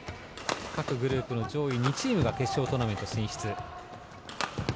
各グループの上位２チームが決勝トーナメント進出。